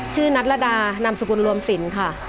นัทรดานามสกุลรวมสินค่ะ